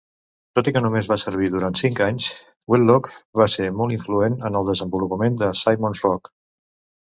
Tot i que només va servir durant cinc anys, Whitlock va ser molt influent en el desenvolupament de Simon's Rock.